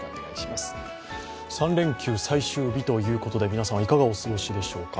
３連休最終日ということで、皆さんいかがお過ごしでしょうか。